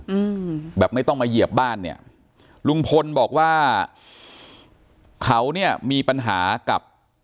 อืมแบบไม่ต้องมาเหยียบบ้านเนี่ยลุงพลบอกว่าเขาเนี่ยมีปัญหากับ